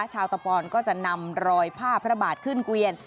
ชาวตะปอนก็จะนำรอยผ้าพระบาทขึ้นเกวียน